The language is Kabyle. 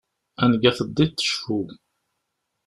Anga teddiḍ, cfu.